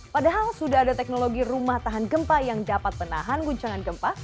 padahal sudah ada teknologi rumah tahan gempa yang dapat menahan guncangan gempa